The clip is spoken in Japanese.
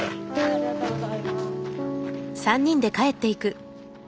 ありがとうございます。